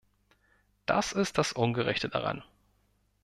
Das ist das Ungerechte daran.